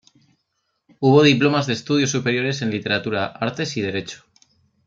Hubo diplomas de estudios superiores en Literatura, Artes y Derecho.